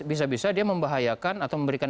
bisa bisa dia membahayakan atau memberikan